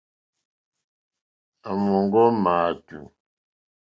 À mɔ̀ŋɡɔ́ máàtù,.